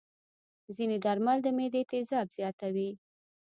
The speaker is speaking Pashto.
ځینې درمل د معدې تیزاب زیاتوي.